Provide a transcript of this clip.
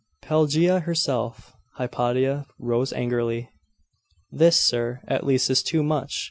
'Pelagia herself!' Hypatia rose angrily. 'This, sir, at least, is too much!